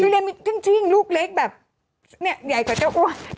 คือเรียนจริงลูกเล็กแบบเนี่ยใหญ่กว่าเจ้าอ้วน